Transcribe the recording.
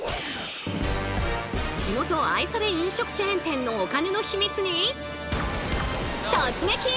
地元愛され飲食チェーン店のお金のヒミツに突撃！